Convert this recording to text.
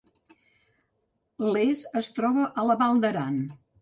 Les es troba a la Val d’Aran